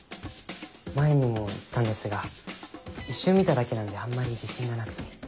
前にも言ったんですが一瞬見ただけなんであんまり自信がなくて。